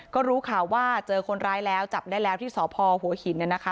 ก็รู้ข่าวว่าเจอคนร้ายแล้วจับได้แล้วที่สพหัวหินเนี่ยนะคะ